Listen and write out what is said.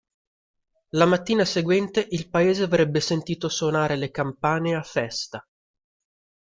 La mattina seguente il paese avrebbe sentito suonare le campane a festa.